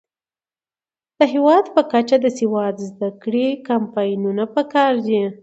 د هیواد په کچه د سواد زده کړې کمپاینونه پکار دي.